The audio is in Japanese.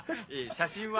写真は？